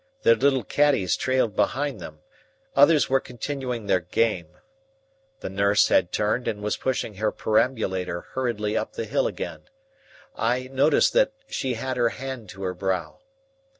Their little caddies trailed behind them. Others were continuing their game. The nurse had turned and was pushing her perambulator hurriedly up the hill again. I noticed that she had her hand to her brow.